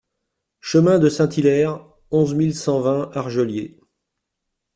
Chemin de Saint-- Hillaire, onze mille cent vingt Argeliers